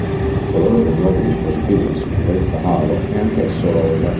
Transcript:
Il colore del nuovo dispositivo di sicurezza "Halo" è anche esso rosa.